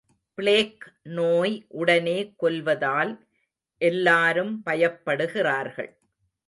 Plague நோய் உடனே கொல்வதால் எல்லாரும் பயப்படுகிறார்கள்.